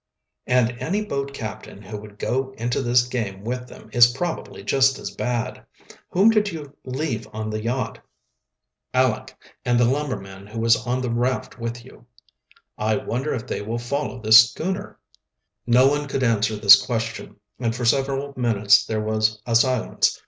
"And any boat captain who would go into this game with them is probably just as bad. Whom did you leave on the yacht?" "Aleck, and the lumberman who was on the raft with you." "I wonder if they will follow this schooner?" No one could answer this question, and for several minutes there was a silence.